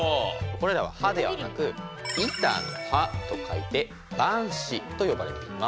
これらは歯ではなく板の歯と書いて板歯と呼ばれています。